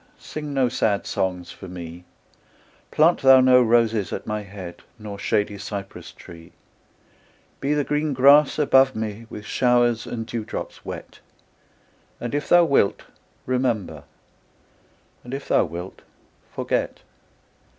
Sing no sad songs for me; Plant thou no roses at my head, Nor shady cypress tree: Be the green grass above me With showers and dewdrops wet; And if thou wilt, remember, And if thou wilt, forget.